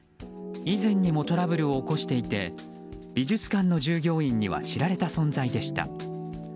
以前にもトラブルを起こしていて美術館の従業員には知られた存在でした。